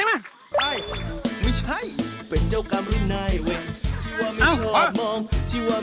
รวมกลุ่มเกษตรบ้านทุ่งแช่ของเรา